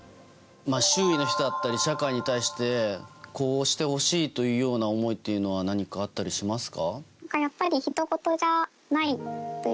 周囲の人だったり社会に対してこうしてほしいというような思いというのは何かあったりしますか？